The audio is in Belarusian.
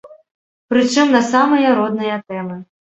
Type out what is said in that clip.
Прычым на самыя розныя тэмы.